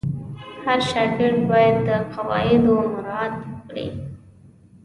هر شاګرد باید د قواعدو مراعت وکړي.